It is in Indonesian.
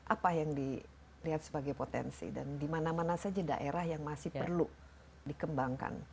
apa yang dilihat sebagai potensi dan di mana mana saja daerah yang masih perlu dikembangkan